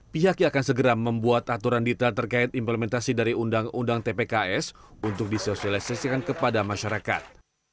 pihaknya akan segera membuat aturan detail terkait implementasi dari undang undang tpks untuk disosialisasikan kepada masyarakat